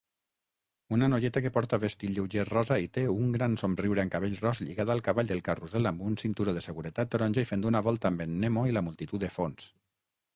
Una noieta que porta vestit lleuger rosa i té un gran somriure amb cabell ros lligada al cavall del carrusel amb un cinturó de seguretat taronja i fent una volta amb en Nemo i la multitud de fons